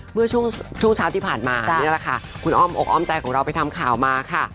เมื่อช่วงเช้าเที่ยวที่ผ่านมาคุณอ้อมออกอ้อมใจของเราไปทำข่าวมาค่ะ